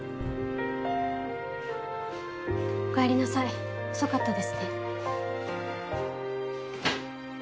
おかえりなさい遅かったですね。